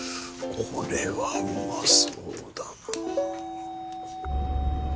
これはうまそうだな。